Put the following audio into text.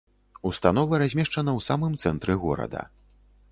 Установа размешчана ў самым цэнтры горада.